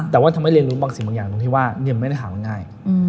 แต่ว่าทำให้เรียนรู้บางสิ่งบางอย่างตรงที่ว่าเงินไม่ได้หาง่าย